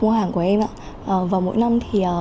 mua hàng của em ạ và mỗi năm